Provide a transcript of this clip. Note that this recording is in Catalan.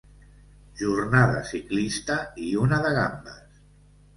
Jornada ciclista i una de gambes.